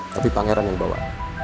tapi pangeran yang bawa